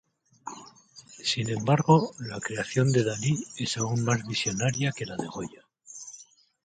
Sin embargo, la creación de Dalí es aún más visionaria que la de Goya.